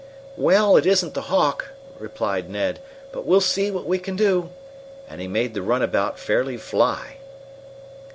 "Well, it isn't the Hawk," replied Ned, "but we'll see what we can do," and he made the runabout fairly fly.